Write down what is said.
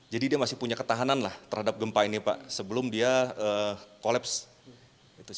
jadi dia masih punya ketahanan lah terhadap gempa ini pak sebelum dia kolaps